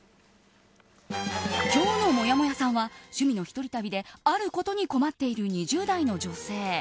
今日のもやもやさんは趣味の１人旅であることに困っている２０代の女性。